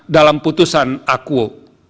dalam putusan akuo